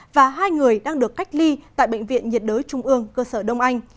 và hai người đang được cách ly tại bệnh viện nhiệt đới trung ương cơ sở đông anh